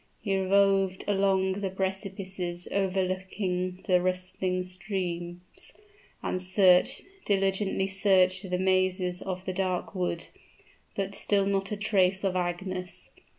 He roved along the precipices overlooking the rustling streams, and searched diligently searched the mazes of the dark wood; but still not a trace of Agnes!